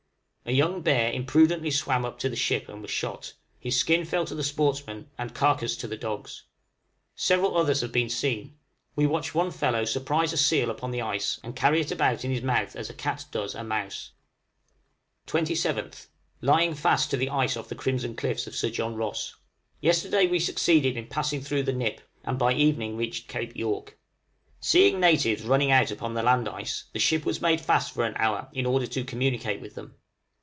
A young bear imprudently swam up to the ship, and was shot, his skin fell to the sportsman, and carcase to the dogs. Several others have been seen: we watched one fellow surprise a seal upon the ice, and carry it about in his mouth as a cat does a mouse. {THE ARCTIC HIGHLANDERS.} 27th. Lying fast to the ice off the Crimson Cliffs of Sir John Ross. Yesterday we succeeded in passing through the nip, and by evening reached Cape York. Seeing natives running out upon the land ice, the ship was made fast for an hour in order to communicate with them.